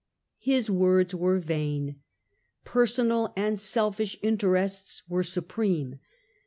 His words were vain. Personal and selfish in terests were supreme.